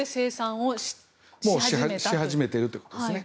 もうし始めているということですね。